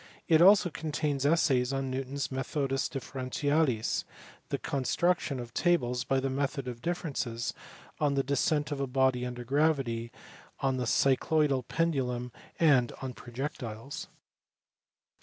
It also contains essays on Newton s Methodux Differentially, on the construction of tables by the method of differences, on the descent of a body under gravity, on the cycloidal pendulum, and on projectiles.